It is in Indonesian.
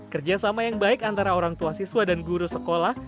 kerjasama yang baik antara orang tua siswa dan guru sekolah